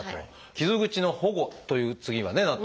「傷口の保護」という次がねなっております